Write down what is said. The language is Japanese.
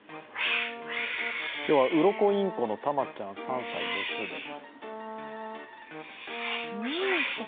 今日はウロコインコのたまちゃん３歳、雌です。